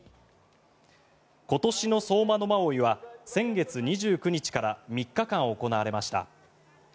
今年の相馬野馬追は先月２９日から３日間行われました。